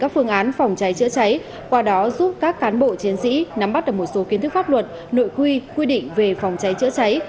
các phương án phòng cháy chữa cháy qua đó giúp các cán bộ chiến sĩ nắm bắt được một số kiến thức pháp luật nội quy quy định về phòng cháy chữa cháy